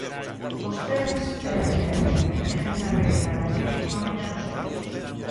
Vostedes, erre que erre, non queren ver a realidade, teñen unha venda nos ollos.